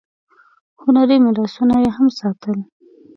هنري میراثونه یې هم ساتل.